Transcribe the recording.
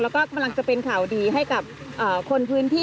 แล้วก็กำลังจะเป็นข่าวดีให้กับคนพื้นที่